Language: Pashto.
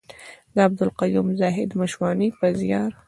د عبدالقيوم زاهد مشواڼي په زيار.